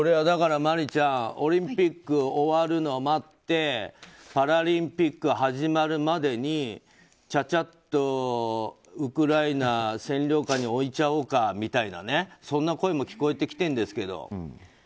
だから、真里ちゃんオリンピックが終わるのを待ってパラリンピックが始まるまでにちゃちゃっとウクライナ占領下に置いちゃおうかみたいなそんな声も聞こえてきてるんですけど。